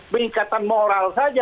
pengikatan moral saja